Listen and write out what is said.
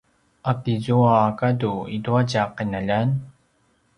a kizua gadu i tua tja qinaljan?